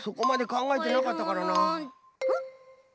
ん？